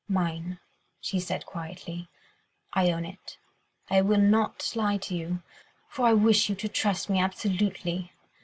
"Mine," she said quietly, "I own it—I will not lie to you, for I wish you to trust me absolutely.